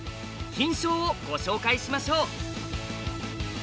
「金将」をご紹介しましょう。